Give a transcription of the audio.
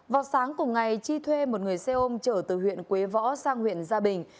vào sáng cùng ngày chi thuê một người xe ôm trở từ huyện quế võ sang huyện gia bình